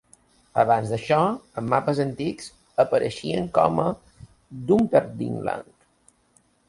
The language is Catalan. Abans d'això, en mapes antics apareix com a Dunpendyrlaw.